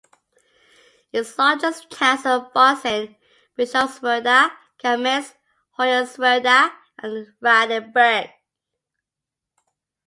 Its largest towns are Bautzen, Bischofswerda, Kamenz, Hoyerswerda and Radeberg.